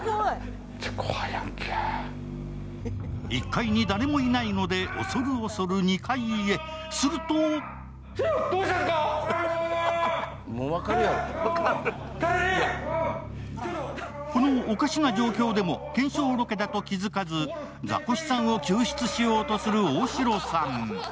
１階に誰もいないので恐る恐る２階へ、するとこのおかしな状況でも検証ロケだと気づかずザコシさんを救出しようとする大城さん。